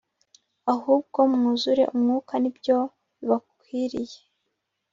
ahubwo mwuzure Umwuka nibyo bibakwiriye.